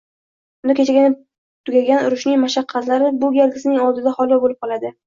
Unda kechagina tugagan urushning mashaqqatlari bu galgisining oldida holva bo‘lib qoladi